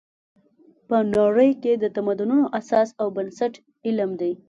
په نړۍ کې د تمدنونو اساس او بنسټ علم دی.